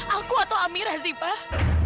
aku atau amira sih pak